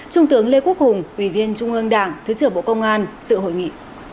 trung tướng lê quốc hùng ủy viên trung ương đảng thứ trưởng bộ công an sự hội nghị